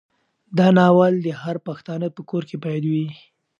دا ناول د هر پښتانه په کور کې باید وي.